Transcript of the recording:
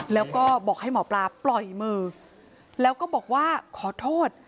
แล้วก็บอกให้หมอปลาปล่อยมือแล้วก็บอกว่าขอโทษ